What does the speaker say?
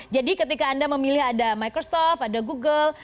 jadi ketika anda memilih ada microsoft ada google